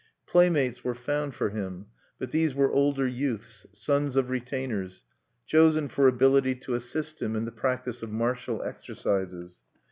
Playmates were found for him; but these were older youths, sons of retainers, chosen for ability to assist him in the practice of martial exercises.